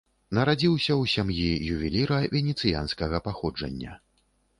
Нарадзіўся ў сям'і ювеліра венецыянскага паходжання.